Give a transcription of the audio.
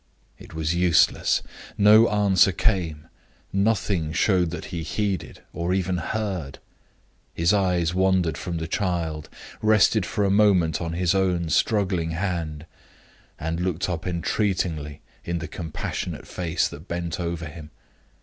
It was useless. No answer came; nothing showed that he heeded, or even heard. His eyes wandered from the child, rested for a moment on his own struggling hand, and looked up entreatingly in the compassionate face that bent over him.